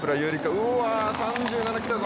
うわぁ３７来たぞ。